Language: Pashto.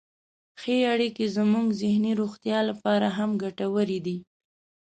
ښې اړیکې زموږ ذهني روغتیا لپاره هم ګټورې دي.